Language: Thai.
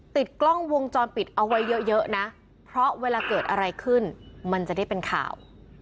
ติดกล้องวงจรปิดเอาไว้เยอะนะเพราะเวลาเกิดอะไรขึ้นมันจะได้เป็นข่าว